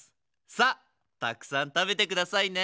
さあたくさん食べてくださいね。